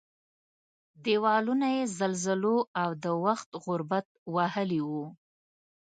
دېوالونه یې زلزلو او د وخت غربت وهلي وو.